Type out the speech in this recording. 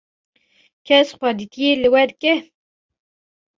Kes xwedîtiyê li we dike?